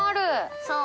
そう。